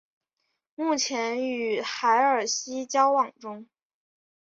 目前与海尔希交往中。